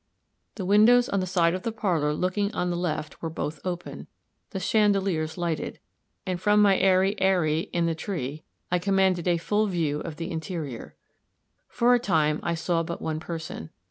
The windows on the side of the parlor looking on the left were both open, the chandeliers lighted, and from my airy eyrie in the tree, I commanded a full view of the interior. For a time I saw but one person.